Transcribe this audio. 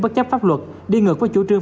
bất chấp pháp luật đi ngược với chủ trương